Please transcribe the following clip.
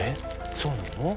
そうなの？